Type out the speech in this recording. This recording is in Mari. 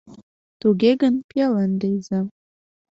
— Туге гын, пиалан лийза.